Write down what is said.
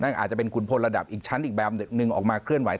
อาจจะเป็นคุณพลระดับอีกชั้นอีกแบบหนึ่งออกมาเคลื่อนไห